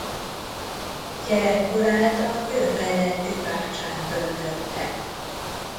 Gyerekkorát a Győr melletti Bácsán töltötte.